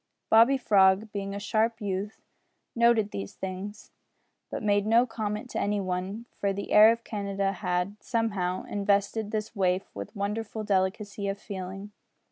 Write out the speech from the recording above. Bobby Frog, being a sharp youth, noted these things, but made no comment to any one, for the air of Canada had, somehow, invested this waif with wonderful delicacy of feeling.